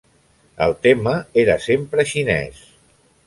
El tema era sempre xinès.